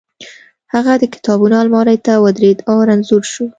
هغه د کتابونو المارۍ ته ودرېد او رنځور شو